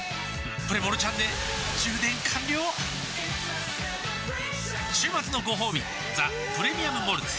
プレモルちゃんで充電完了週末のごほうび「ザ・プレミアム・モルツ」